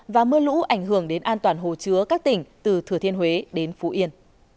và mưa lũ ảnh hưởng đến an toàn hồ chứa các tỉnh từ thừa thiên huế đến phú yên